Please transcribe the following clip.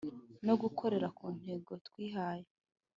no gukorera ku ntego twihaye